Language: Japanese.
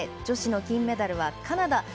女子の金メダルはカナダ。